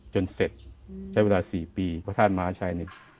จนเสร็จใช้เวลา๔ปีพระธาตุมหาชัยเนี่ย